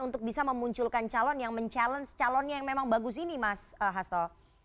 untuk bisa memunculkan calon yang mencabar calonnya yang memang bagus ini mas hasto